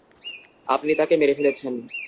আপনি তাকে মেরে ফেলেছেন।